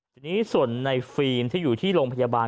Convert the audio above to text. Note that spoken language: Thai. ทีนี้ส่วนในฟิล์มที่อยู่ที่โรงพยาบาล